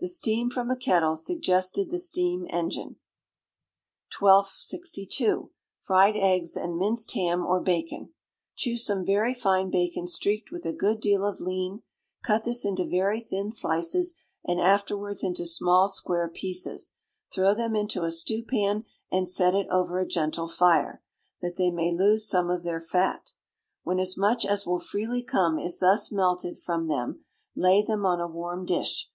[THE STEAM FROM A KETTLE SUGGESTED THE STEAM ENGINE.] 1262. Fried Eggs and Minced Ham or Bacon. Choose some very fine bacon streaked with a good deal of lean; cut this into very thin slices, and afterwards into small square pieces; throw them into a stewpan and set it over a gentle fire, that they may lose some of their fat. When as much as will freely come is thus melted from them, lay them on a warm dish.